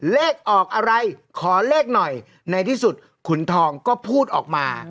เลขออกอะไรขอเลขหน่อยในที่สุดขุนทองก็พูดออกมา